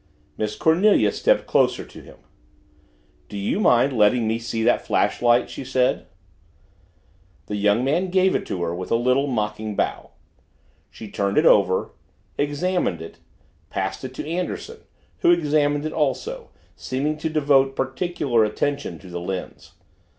Miss Cornelia stepped closer to him. "Do you mind letting me see that flashlight?" she said. The young man gave it to her with a little, mocking bow. She turned it over, examined it, passed it to Anderson, who examined it also, seeming to devote particular attention to the lens.